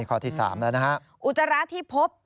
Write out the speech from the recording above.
ข้อที่๓แล้วนะครับ